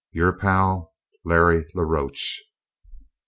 your pal, LARRY LA ROCHE.